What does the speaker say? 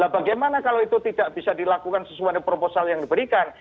bagaimana kalau itu tidak bisa dilakukan sesuai dengan proposal yang diberikan